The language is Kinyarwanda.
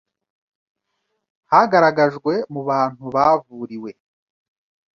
Hagaragajwe mu bantu bavuriwe